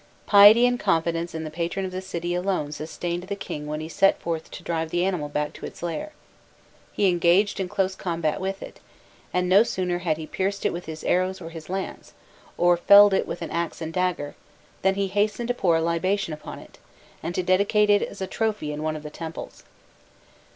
Piety and confidence in the patron of the city alone sustained the king when he set forth to drive the animal back to its lair; he engaged in close combat with it, and no sooner had he pierced it with his arrows or his lance, or felled it with axe and dagger, than he hastened to pour a libation upon it, and to dedicate it as a trophy in one of the temples.